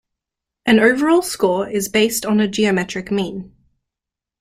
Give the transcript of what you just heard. An overall score is based on a geometric mean.